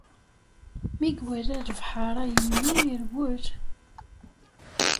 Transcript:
Mi iwala lebḥer ayen-nni, irwel.